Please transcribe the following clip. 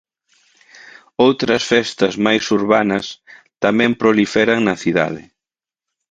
Outras festas máis urbanas tamén proliferan na cidade.